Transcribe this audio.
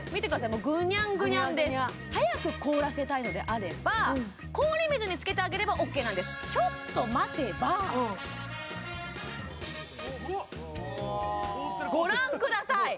もうグニャングニャンです早く凍らせたいのであれば氷水につけてあげればＯＫなんですちょっと待てばご覧ください